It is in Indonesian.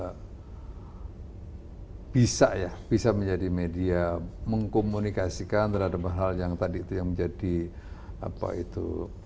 hai bisa ya bisa menjadi media mengkomunikasikan terhadap hal yang tadi itu yang menjadi apa itu